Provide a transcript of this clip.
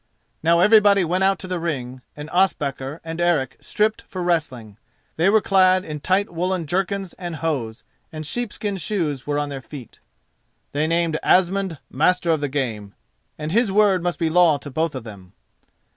Now everybody went out to the ring, and Ospakar and Eric stripped for wrestling. They were clad in tight woollen jerkins and hose, and sheep skin shoes were on their feet. They named Asmund master of the game, and his word must be law to both of them.